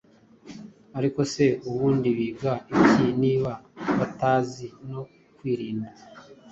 Ariko se ubundi biga iki niba batazi no kwirinda!